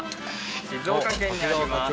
静岡県にあります